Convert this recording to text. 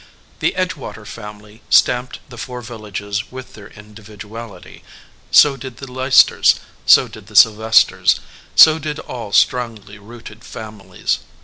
The Edgewater family stamped the four villages with their individuality; so did the Leicesters; so did the Sylvesters; so did all strongly rooted families.